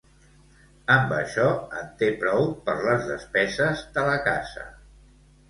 Amb això en té prou per les despeses de la casa.